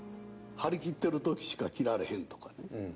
張り切ってるときしか着られへんとかね。